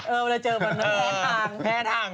เออเวลาเจอมันแพ้ทาง